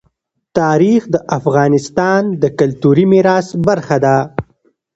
تاریخ د افغانستان د کلتوري میراث برخه ده.